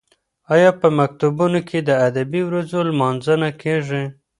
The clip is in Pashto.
ایا په مکتبونو کې د ادبي ورځو لمانځنه کیږي؟